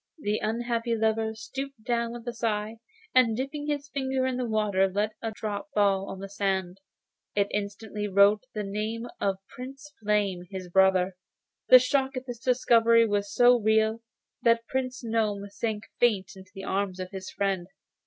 The unhappy lover stooped down with a sigh, and dipping his finger in the water let fall a drop on the sand. It instantly wrote the name of Prince Flame, his brother. The shock of this discovery was so real, that Prince Gnome sank fainting into the arms of his friend.